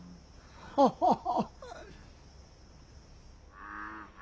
ハハハハ。